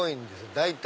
大体。